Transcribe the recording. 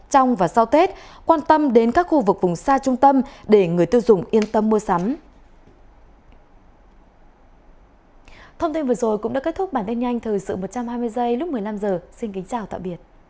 trong và sau tết quan tâm đến các khu vực vùng xa trung tâm để người tiêu dùng yên tâm mua sắm